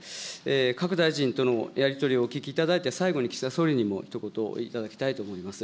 各大臣とのやり取りをお聞きいただいて、最後に岸田総理にもひと言頂きたいと思います。